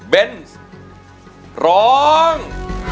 เบนซร้อง